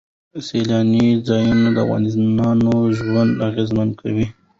سیلانی ځایونه د افغانانو ژوند اغېزمن کوي.